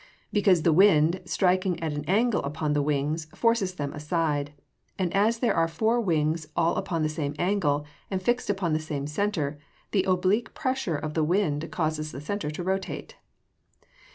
_ Because the wind, striking at an angle upon the wings, forces them aside; and as there are four wings all upon the same angle, and fixed upon the same centre, the oblique pressure of the wind causes the centre to rotate.